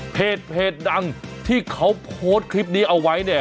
เพจดังที่เขาโพสต์คลิปนี้เอาไว้เนี่ย